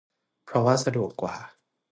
เพราะว่าสะดวกกว่า